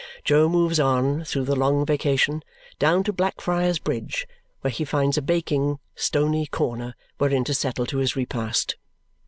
Jo moves on, through the long vacation, down to Blackfriars Bridge, where he finds a baking stony corner wherein to settle to his repast.